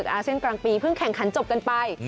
อาเซียนกลางปีเพิ่งแข่งขันจบกันไป